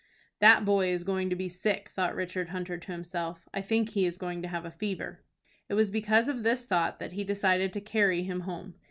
"That boy is going to be sick," thought Richard Hunter to himself. "I think he is going to have a fever." It was because of this thought that he decided to carry him home.